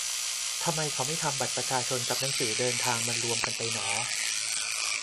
ทำไมเขาไม่ทำให้บัตรประชาชนกับหนังสือเดินทางมันรวมกันไปหนอ